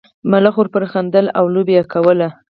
ملخ ورپورې خندل او لوبې یې کولې.